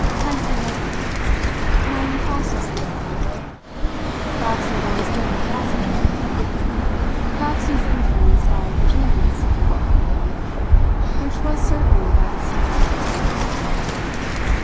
Heyst said nothing. Wang also said nothing. Perhaps he had always been a taciturn man; perhaps he was influenced by the genius of the locality, which was certainly that of silence.